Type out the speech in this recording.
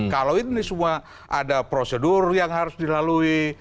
kalau ini semua ada prosedur yang harus dilalui